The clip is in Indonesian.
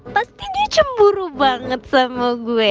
pasti dia cemburu banget sama gue